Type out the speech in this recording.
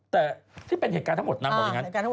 แต่ที่เป็นเหตุการณ์ทั้งหมดนางบอกอย่างนั้น